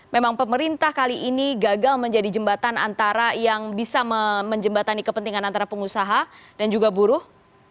memang pemerintah kali ini gagal menjadi jembatan antara yang bisa menjembatani kepentingan antara pengusaha dan juga buruh